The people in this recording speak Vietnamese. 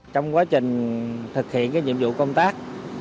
trong quá trình thực hiện nhiệm vụ công tác